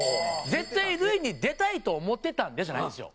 「絶対塁に出たいと思ってたんで」じゃないんですよ。